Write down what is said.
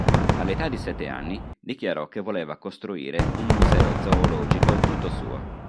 All'età di sette anni, dichiarò che voleva costruire un museo zoologico tutto suo.